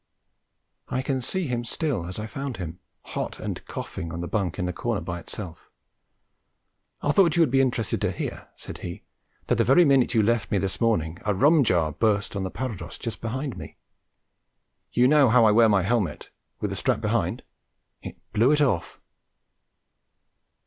I can see him still, as I found him, hot and coughing on the bunk in the corner by itself. 'I thought you would be interested to hear,' said he, 'that the very minute you left me this morning a rum jar burst on the parados just behind me. You know how I wear my helmet, with the strap behind? It blew it off.'